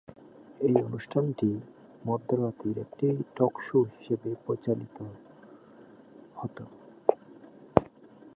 এই অনুষ্ঠানটি মধ্যরাতের একটি টক-শো হিসেবে প্রচারিত হত।